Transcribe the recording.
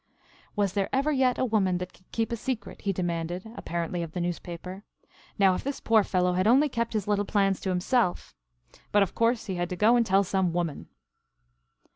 "Was there ever yet a woman that could keep a secret," he demanded, apparently of the newspaper. "Now, if this poor fellow had only kept his little plans to himself but, of course, he had to go and tell some woman."